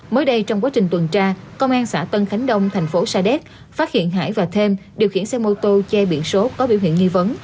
mới đây trong quá trình tuần tra công an xã tân khánh đông thành phố sa đéc phát hiện hải và thêm điều khiển xe mô tô che biển số có biểu hiện nghi vấn